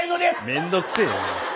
めんどくせえよ！